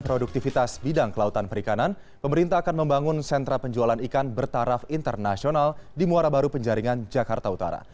produktivitas bidang kelautan perikanan pemerintah akan membangun sentra penjualan ikan bertaraf internasional di muara baru penjaringan jakarta utara